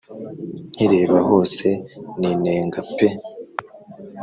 nkireba hose ninenga pee